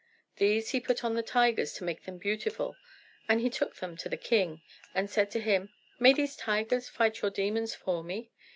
These he put on the tigers to make them beautiful, and he took them to the king, and said to him, "May these tigers fight your demons for me?"